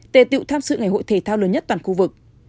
tề tựu tham sự ngày hội thể thao lớn nhất toàn khu vực